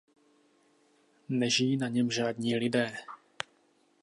Nežijí na něm žádní lidé.